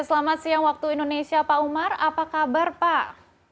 selamat siang waktu indonesia pak umar apa kabar pak